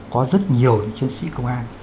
có rất nhiều chiến sĩ công an